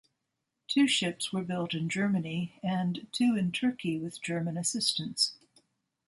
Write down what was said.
Two ships were built in Germany and two in Turkey with German assistance.